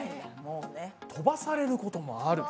「飛ばされることもある」。